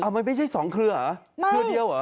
ไม่ใช่๒เครือเครือเดียวเหรอ